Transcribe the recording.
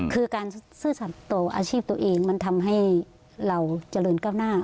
คือการซื่อสัตว์ต่ออาชีพตัวเองมันทำให้เราเจริญก้าวหน้า